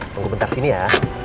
tunggu bentar disini ya